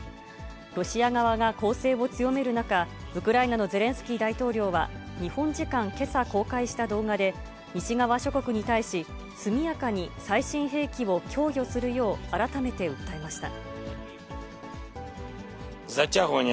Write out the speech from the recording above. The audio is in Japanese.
ロシア側が攻勢を強める中、ウクライナのゼレンスキー大統領は日本時間けさ公開した動画で、西側諸国に対し、速やかに最新兵器を供与するよう改めて訴えました。